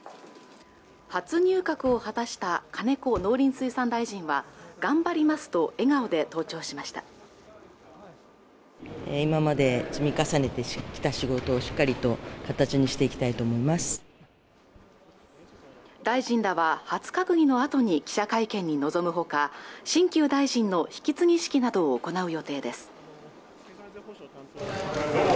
初入閣を果たした金子農林水産大臣は頑張りますと笑顔で登庁しました大臣等は初閣議のあとに記者会見に臨むほか新旧大臣の引き継ぎ式などを行う予定です